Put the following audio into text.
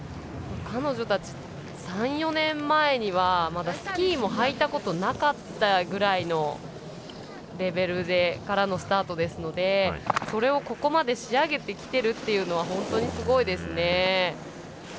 彼女たち、３４年前にはまだスキーも履いたことなかったぐらいのレベルからのスタートですので、それをここまで仕上げてきてるのは本当にすごいですね。